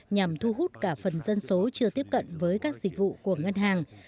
nhằm thu hút cả phần dân số chưa tiếp cận với các dịch vụ của ngân hàng